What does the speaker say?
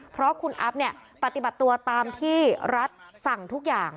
เพราะคุณอัพปฏิบัติตัวตามที่รัฐสั่งทุกอย่าง